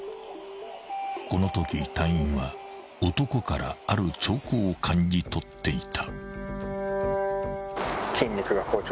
［このとき隊員は男からある兆候を感じ取っていた］